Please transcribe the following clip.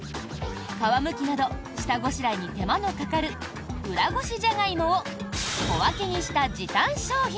皮むきなど下ごしらえに手間のかかるうらごしじゃがいもを小分けにした時短商品。